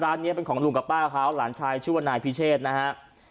นี้เป็นของลุงกับป้าเขาหลานชายชื่อว่านายพิเชษนะฮะ